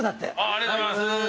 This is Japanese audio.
ありがとうございます。